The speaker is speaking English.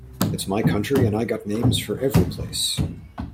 It's my country and I got names for every place.